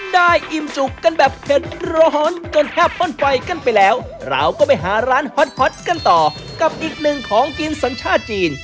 อิ่มจุกกันแบบเผ็ดร้อนจนแทบป้นไฟกันไปแล้วเราก็ไปหาร้านฮอตกันต่อกับอีกหนึ่งของกินสัญชาติจีน